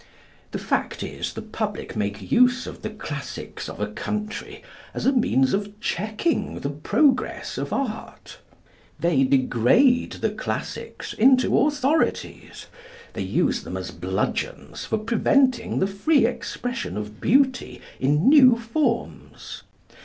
The fact is, the public make use of the classics of a country as a means of checking the progress of Art. They degrade the classics into authorities. They use them as bludgeons for preventing the free expression of Beauty in new forms.